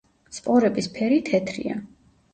სპორების ფერი თეთრია.